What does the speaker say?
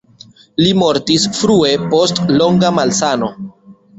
Li mortis frue post longa malsano.